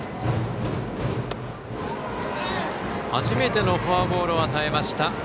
初めてのフォアボールを与えました。